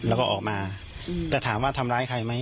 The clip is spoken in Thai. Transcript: แล้วก็ออกมาแต่ถามว่าทำร้ายใครไหม